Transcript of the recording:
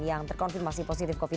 yang terkonfirmasi positif covid sembilan